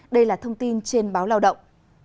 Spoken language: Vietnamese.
đây là thông tin trên báo lao động